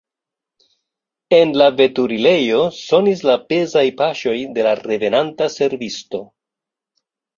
En la veturilejo sonis la pezaj paŝoj de la revenanta servisto.